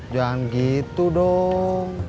jangan gitu dong